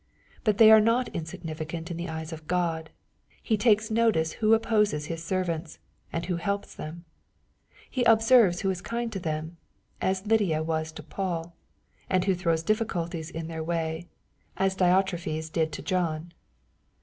But they are not insignificant in the eyes of God. He takes notice who opposes His servants, and who helps them. He observes who is kind to them, as Lydia was to Paul — and who throws difficulties in their way, as Diotrephes did to John.